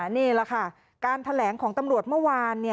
นี่แหละค่ะการแถลงของตำรวจเมื่อวาน